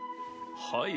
はい。